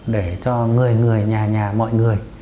để cho người người nhà nhà mọi người